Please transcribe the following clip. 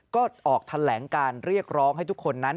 ก็ออกแถลงการเรียกร้องให้ทุกคนนั้น